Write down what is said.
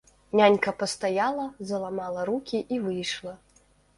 Нянька пастаяла, заламала рукі і выйшла.